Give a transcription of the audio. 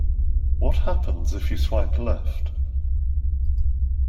What happens if you swipe left?